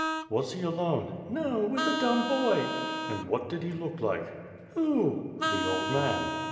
"Was he alone?" "No, with a dumb* boy." "And what did he look like?" "Who?" "The old man."